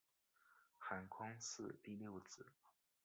韩匡嗣第六子。